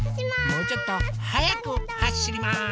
もうちょっとはやくはしります。